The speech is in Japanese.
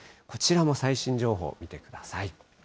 こちらも最新情報見てください。